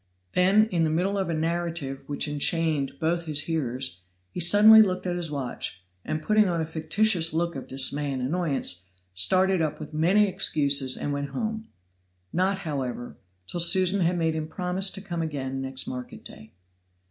Then, in the middle of a narrative, which enchained both his hearers, he suddenly looked at his watch, and putting on a fictitious look of dismay and annoyance, started up with many excuses and went home not, however, till Susan had made him promise to come again next market day.